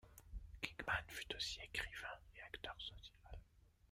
Kingman fut aussi écrivain et acteur social.